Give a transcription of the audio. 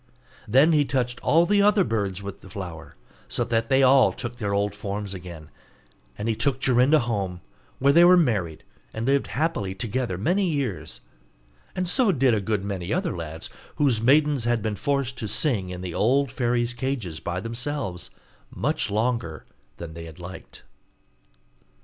Then he touched all the other birds with the flower, so that they all took their old forms again; and he took Jorinda home, where they were married, and lived happily together many years: and so did a good many other lads, whose maidens had been forced to sing in the old fairy's cages by themselves, much longer than they liked.